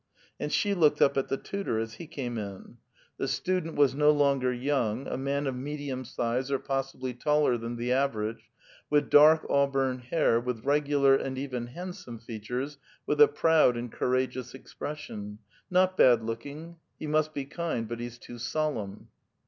And she looked up at the tutor as he came in. The studeut A VITAL QUESTION. 57 was no longer young, a man of medium size or possibly taller than the average, with dark auburn hair, with regular and even handsome features, with a proud and courageous expression; ''not bad looking; he must be kind, but lie's too solemn."